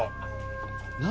何？